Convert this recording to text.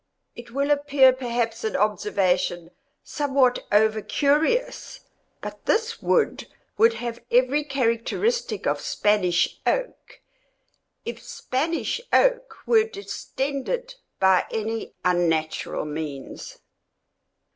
It will appear perhaps an observation somewhat over curious, but this wood would have every characteristic of Spanish oak, if Spanish oak were distended by any unnatural means.